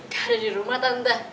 ga ada dirumah tante